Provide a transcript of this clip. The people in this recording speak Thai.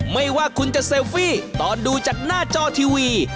ไม่ว่าคุณจะเซลฟี่ตอนดูจากหน้าจอทีวี